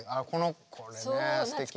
これねすてきね。